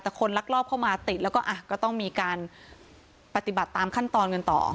แต่คนลักลอบเข้ามาติดแล้วก็อ่ะก็ต้องมีการปฏิบัติตามขั้นตอนกันต่อ